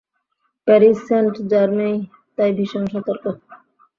Paris Saint Germain তাই ভীষণ সতর্ক।